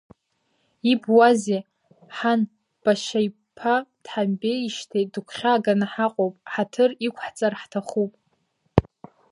Ибуазеи, ҳан, башьа иԥа дҳамбеижьҭеи дыгәхьааганы ҳаҟоуп, ҳаҭыр иқәҳҵар ҳҭахуп.